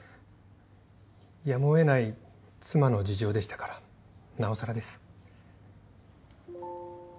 やむをえない妻の事情でしたからなおさらです。